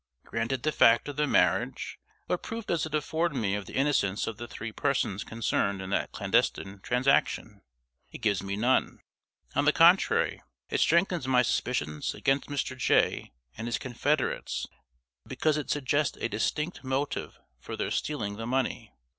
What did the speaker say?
Granted the fact of the marriage, what proof does it afford me of the innocence of the three persons concerned in that clandestine transaction? It gives me none. On the contrary, it strengthens my suspicions against Mr. Jay and his confederates, because it suggests a distinct motive for their stealing the money.